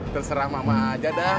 terserah mama aja dah